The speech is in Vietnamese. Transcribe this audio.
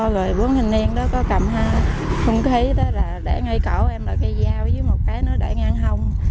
rồi bốn hình yên đó có cầm hai khung khí đó là để ngay cổ em là cây dao dưới một cái nữa để ngang hông